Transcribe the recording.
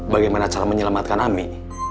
bagaimana cara menyelamatkan ami